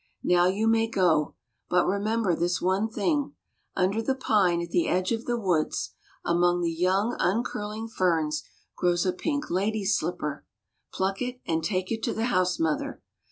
Now you may go — but remember this one thing : under the pine at the edge of the Avoods, among the young uncurling ferns, grows a pink lady's slipper. Pluck it, and take it to the house mother.